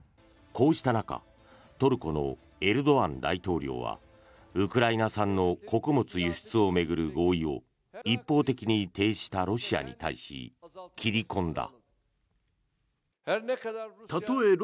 こうした中トルコのエルドアン大統領はウクライナ産の穀物輸出を巡る合意を一方的に停止したロシアに対し切り込んだ。